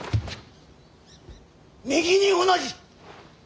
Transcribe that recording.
右に同じ。